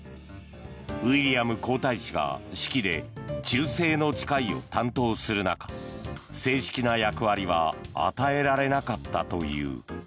ウィリアム皇太子が式で忠誠の誓いを担当する中正式な役割は与えられなかったという。